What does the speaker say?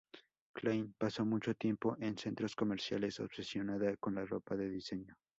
Klein pasó mucho tiempo en centros comerciales, obsesionada con la ropa de diseño.